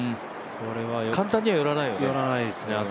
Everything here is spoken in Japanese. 簡単には寄らないよね。